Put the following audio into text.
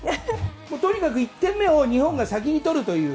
とにかく１点目を日本が先に取るという。